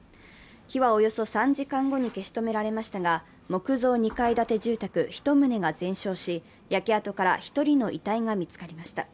火はおよそ３時間後に消し止められましたが、木造２階建て住宅１棟が全焼し、焼け跡から１人の遺体が見つかりました。